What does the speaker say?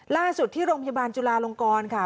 ล่าสุดที่โรงพยาบาลจุลาลงกรค่ะ